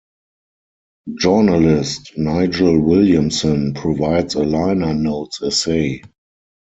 Journalist Nigel Williamson provides a liner notes essay.